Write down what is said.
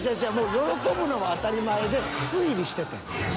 喜ぶのは当たり前で推理しててん。